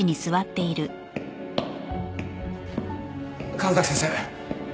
神崎先生！